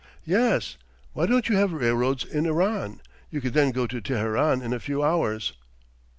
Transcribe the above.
"Yes; why don't you have railroads in Iran? You could then go to Teheran in a few hours."